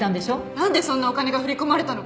なんでそんなお金が振り込まれたのか